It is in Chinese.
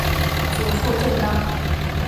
祖父郑刚。